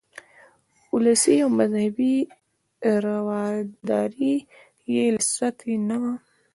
ولسي او مذهبي رواداري یې له سطحې نه وه.